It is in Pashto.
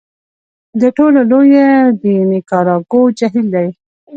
د ټولو لوی یې د نیکاراګو جهیل دی.